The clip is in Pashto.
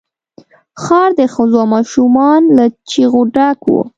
ښار د ښځو او ماشومان له چيغو ډک وو.